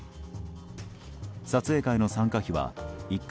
撮影会の参加費は１回